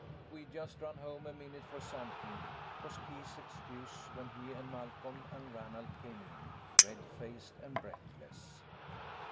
"We just ran home a minute for something," was Keith's excuse, when he and Malcolm and Ranald came in, red faced and breathless.